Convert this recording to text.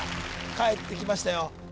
帰ってきましたよ